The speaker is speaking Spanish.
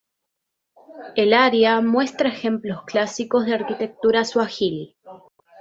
El área muestra ejemplos clásicos de arquitectura swahili.